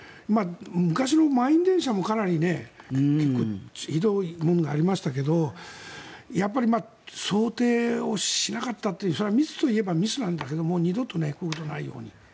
昔の満員電車もかなりひどいものがありましたがやっぱり想定をしなかったというそれは密といえば密なんだけども二度とこういうことがないように。